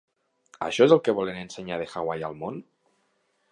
Això és el que volen ensenyar de Hawaii al món?